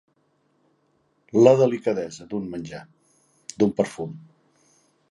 La delicadesa d'un menjar, d'un perfum.